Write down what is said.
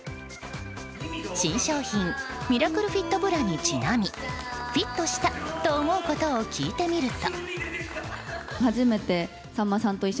新商品ミラクルフィットブラにちなみフィットしたと思うことを聞いてみると。